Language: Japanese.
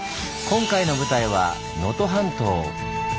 今回の舞台は能登半島。